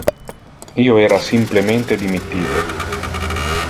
Io era simplemente dimittite.